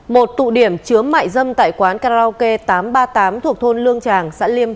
một tụ điểm chứa mại dâm tại quán karaoke tám trăm ba mươi tám thuộc thôn lương tràng